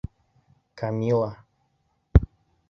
Камила